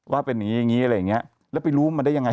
ว่าเป็นอย่างงี้อะไรอย่างเงี้ยแล้วไปรู้มันได้ยังไง